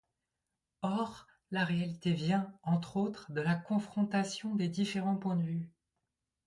Or, la réalité vient, entre autres, de la confrontation des différents points de vue.